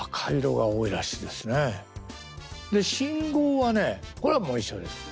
で信号はねこれはもう一緒です。